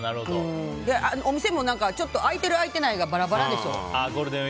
お店もちょっと開いてる開いてないがバラバラでしょ。